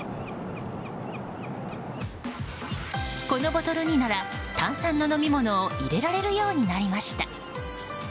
このボトルになら炭酸の飲み物を入れられるようになりました。